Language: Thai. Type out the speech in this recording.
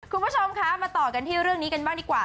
คุณผู้ชมคะมาต่อกันที่เรื่องนี้กันบ้างดีกว่า